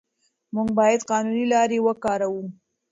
موږ باید قانوني لارې وکاروو.